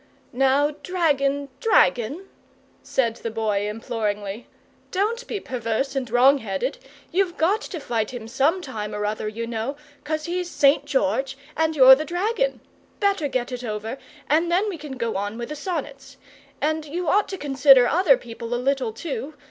"Now dragon, dragon," said the Boy imploringly, "don't be perverse and wrongheaded. You've GOT to fight him some time or other, you know, 'cos he's St. George and you're the dragon. Better get it over, and then we can go on with the sonnets. And you ought to consider other people a little, too.